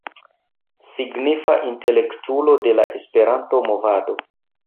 Signifa intelektulo de la Esperanto-movado.